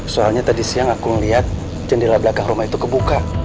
soalnya tadi siang aku melihat jendela belakang rumah itu kebuka